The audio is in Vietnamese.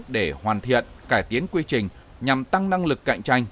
để hoàn thiện cải tiến quy trình nhằm tăng năng lực cạnh tranh